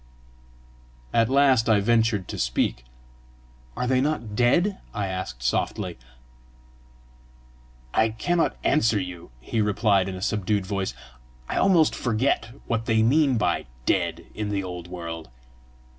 At last I ventured to speak. "Are they not dead?" I asked softly. "I cannot answer you," he replied in a subdued voice. "I almost forget what they mean by DEAD in the old world.